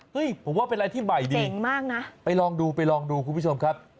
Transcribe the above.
เฮ่ยผมว่าเป็นอะไรที่ใหม่ดีไปลองดูคุณผู้ชมครับ